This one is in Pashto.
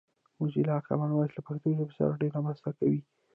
موزیلا کامن وایس له پښتو ژبې سره ډېره مرسته کوي